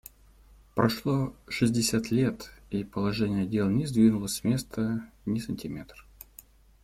Прошло шестьдесят лет — и положение дел не сдвинулось с места ни сантиметр.